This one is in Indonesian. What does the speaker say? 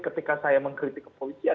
ketika saya mengkritik ke polisi